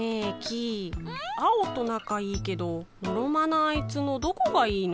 ん？アオとなかいいけどのろまなあいつのどこがいいの？